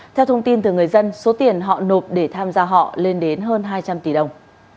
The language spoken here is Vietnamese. theo thông tin từ người dân số tiền họ nộp để tham gia họ lên đến hơn hai trăm linh tỷ đồng